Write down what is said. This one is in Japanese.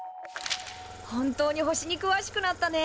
本当に星にくわしくなったね。